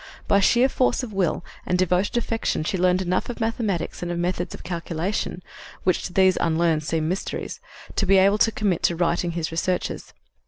By sheer force of will and devoted affection she learned enough of mathematics and of methods of calculation, which to those unlearned seem mysteries, to be able to commit to writing his researches.